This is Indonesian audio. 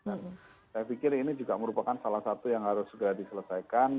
dan saya pikir ini juga merupakan salah satu yang harus juga diselesaikan